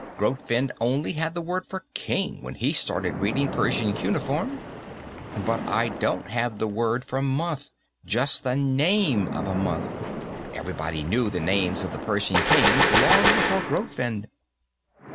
"Grotefend only had the word for 'king' when he started reading Persian cuneiform." "But I don't have the word for month; just the name of a month. Everybody knew the names of the Persian kings, long before Grotefend."